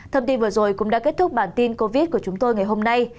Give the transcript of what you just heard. thông tin vừa rồi cũng đã kết thúc bản tin covid của chúng tôi ngày hôm nay